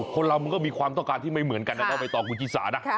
คนเรามันก็มีความต้องการที่ไม่เหมือนกันนะน้องใบตองคุณชิสานะ